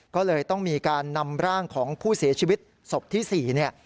ก็เลยต้องมีการนำร่างของผู้เสียชีวิตศพที่๔เนี่ย